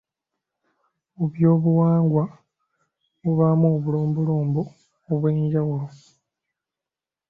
Mu by'obuwangwa mubaamu obulombolombo obw'enjawulo